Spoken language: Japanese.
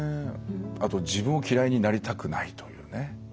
あと自分を嫌いになりたくないというね